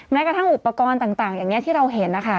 แม้กระทั่งอุปกรณ์ต่างอย่างนี้ที่เราเห็นนะคะ